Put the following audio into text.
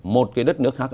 một cái đất nước khác